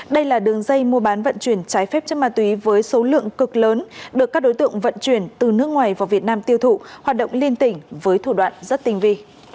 đây là đường dây mua bán vận chuyển trái phép chất ma túy với số lượng cực lớn được các đối tượng vận chuyển từ nước ngoài vào việt nam tiêu thụ hoạt động liên tỉnh với thủ đoạn rất tinh vi